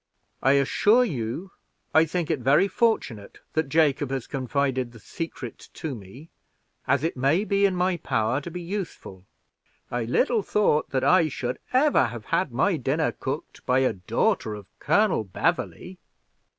I assure you, I think it very fortunate that Jacob has confided the secret to me, as it may be in my power to be useful. I little thought that I should ever have had my dinner cooked by the daughter of Colonel Beverley."